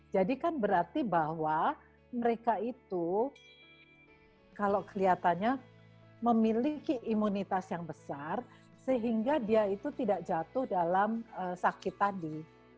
jadi kan berarti bahwa mereka itu kalau kelihatannya memiliki imunitas yang besar sehingga dia itu tidak jatuh dalam sakit tadi